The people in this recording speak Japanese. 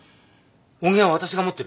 音源は私が持ってる。